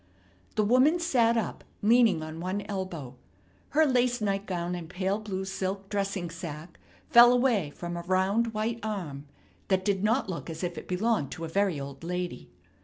The woman sat up, leaning on one elbow. Her lace nightgown and pale blue silk dressing sack fell away from a round white arm that did not look as if it belonged to a very old lady.